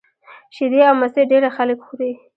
شیدې او مستې ډېری خلک خوري